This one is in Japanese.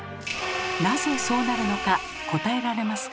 なぜそうなるのか答えられますか？